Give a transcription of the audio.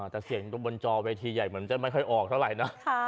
แต่เสียงตรงบนจอเวทีใหญ่เหมือนจะไม่ค่อยออกเท่าไหร่นะ